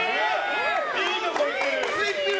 いいとこ行ってる！